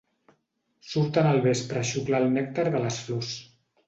Surten al vespre a xuclar el nèctar de les flors.